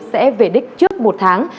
sẽ về đích trước một tháng